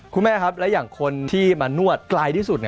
คุณแม่ครับและอย่างคนที่มานวดไกลที่สุด